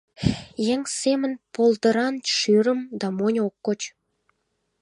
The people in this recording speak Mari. Еҥ семын полдыран шӱрым да монь ок коч.